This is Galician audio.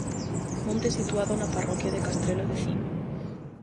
Monte situado na parroquia de Castrelo de Cima.